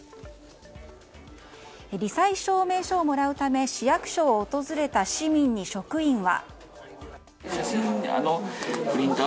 罹災証明書をもらうため市役所を訪れた市民に職員は。